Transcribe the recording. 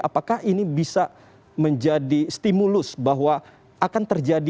apakah ini bisa menjadi stimulus bahwa akan terjadi